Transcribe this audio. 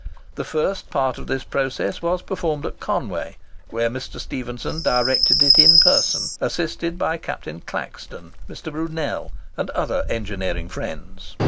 The first part of this process was performed at Conway, where Mr. Stephenson directed it in person, assisted by Captain Claxton, Mr. Brunel, and other engineering friends.